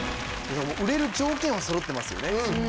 売れる条件はそろってますよね。